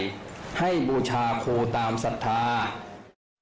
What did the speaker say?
ก็เป็นเรื่องของความเชื่อความศรัทธาเป็นการสร้างขวัญและกำลังใจ